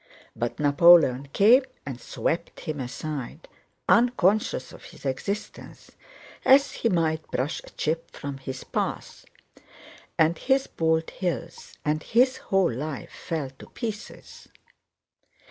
But Napoleon came and swept him aside, unconscious of his existence, as he might brush a chip from his path, and his Bald Hills and his whole life fell to pieces.